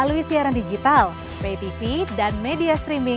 itu saya udah langsung tanggapi secara personal kemarin